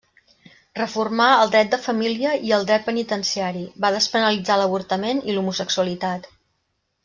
Reformà el dret de família i el dret penitenciari, va despenalitzar l'avortament i l'homosexualitat.